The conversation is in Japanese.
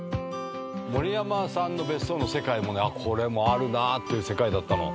森山さんの別荘の世界もこれもあるなって世界だったの。